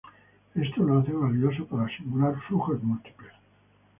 Esto los hace valiosos para simular flujos múltiples.